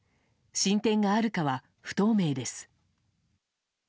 進展があるかは不透明です。